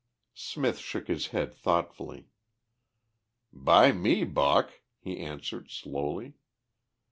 Smith shook his head thoughtfully. "By me, Buck," he answered slowly.